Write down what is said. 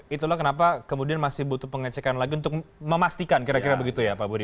itulah kenapa kemudian masih butuh pengecekan lagi untuk memastikan kira kira begitu ya pak budi